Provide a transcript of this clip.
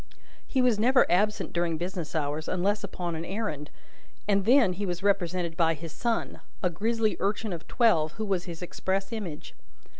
He was never absent during business hours, unless upon an errand, and then he was represented by his son: a grisly urchin of twelve, who was his express image.